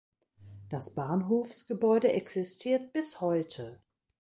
Das Bahnhofsgebäude existiert bis heute.